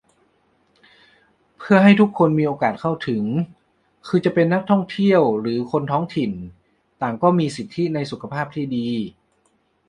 เพื่อให้ทุกคนมีโอกาสเข้าถึง คือจะเป็นนักท่องเที่ยวหรือคนท้องถิ่น ต่างก็มีสิทธิในสุขภาพที่ดี